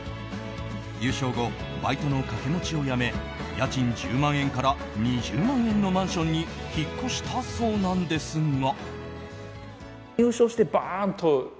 優勝後、バイトの掛け持ちをやめ家賃１０万円から２０万円のマンションに引っ越したそうなんですが。